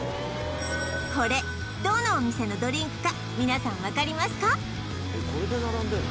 これどのお店のドリンクか皆さん分かりますか？